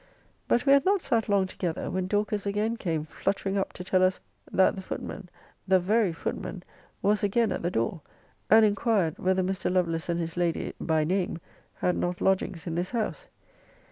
But we had not sat long together, when Dorcas again came fluttering up to tell us, that the footman, the very footman, was again at the door, and inquired, whether Mr. Lovelace and his lady, by name, had not lodgings in this house?